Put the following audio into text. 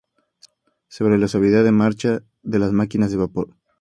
Sobre la suavidad de marcha de las máquinas de vapor.